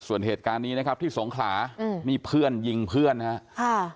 ส่วนเหตุการณ์นี้นะครับที่สงขลาอืมนี่เพื่อนยิงเพื่อนนะฮะค่ะ